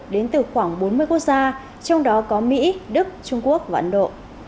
đến từ khoảng bốn mươi quốc gia trong đó có mỹ đức trung quốc và ấn độ